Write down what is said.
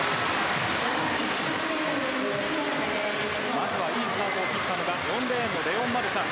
まず、いいスタートを切ったのが４レーンのレオン・マルシャン。